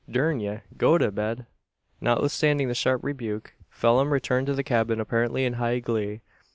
Durn ye, go to your bed!" Notwithstanding the sharp rebuke, Phelim returned to the cabin apparently in high glee.